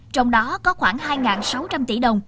trong đó có khoảng hai sáu trăm linh tỷ đồng